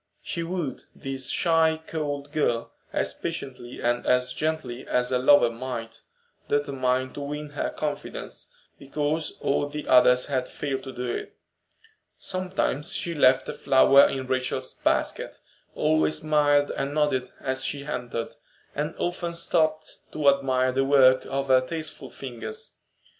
She wooed this shy, cold girl as patiently and as gently as a lover might, determined to win her confidence, because all the others had failed to do it. Sometimes she left a flower in Rachel's basket, always smiled and nodded as she entered, and often stopped to admire the work of her tasteful fingers.